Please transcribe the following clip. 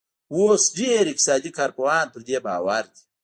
اوس ډېر اقتصادي کارپوهان پر دې باور دي.